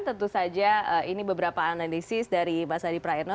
tentu saja ini beberapa analisis dari mas adi praetno